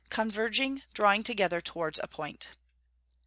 Converging, drawing together towards a point.